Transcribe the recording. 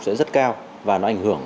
sẽ rất cao và nó ảnh hưởng